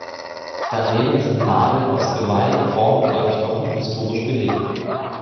Daneben sind Nadeln aus Geweih, Horn oder Knochen historisch belegt.